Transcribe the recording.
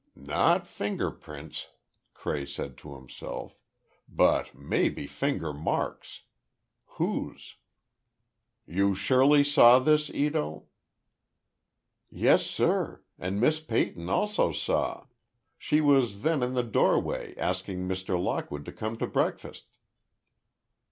"Not finger prints," Cray said to himself—"but, maybe finger marks. Whose?" "You surely saw this, Ito?" "Yes, sir; and Miss Peyton also saw. She was then in the doorway, asking Mr. Lockwood to come to breakfast."